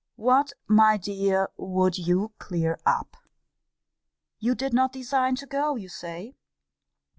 What, my dear, would you clear up? You did not design to go, you say.